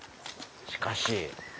しかし。